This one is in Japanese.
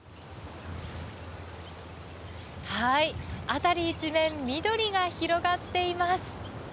辺り一面、緑が広がっています。